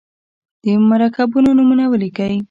د مرکبونو نومونه ولیکئ.